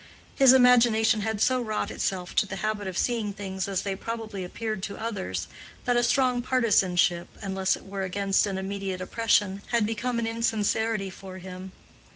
His imagination had so wrought itself to the habit of seeing things as they probably appeared to others, that a strong partisanship, unless it were against an immediate oppression, had become an insincerity for him.